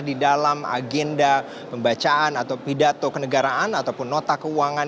di dalam agenda pembacaan atau pidato kenegaraan ataupun nota keuangan